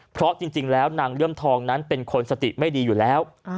เพราะจริงแล้วนางเลื่อมทองนั้นเป็นคนสติไม่ดีอยู่แล้ว